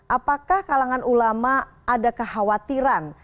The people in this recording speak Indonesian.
apakah kalangan ulama ada kekhawatiran